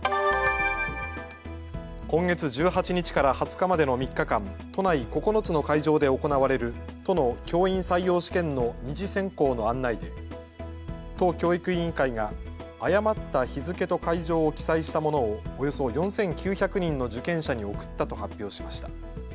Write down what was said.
今月１８日から２０日までの３日間、都内９つの会場で行われる都の教員採用試験の２次選考の案内で都教育委員会が誤った日付と会場を記載したものをおよそ４９００人の受験者に送ったと発表しました。